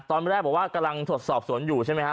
ตอนแรกบอกว่ากำลังสอบสวนอยู่ใช่ไหมฮะ